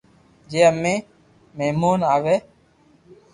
جي مي مھمون آوي